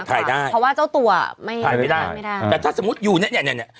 ถ่ายได้เพราะว่าเจ้าตัวไม่ถ่ายไม่ได้ไม่ได้แต่ถ้าสมมุติอยู่เนี้ยเนี้ยเนี้ยเนี้ย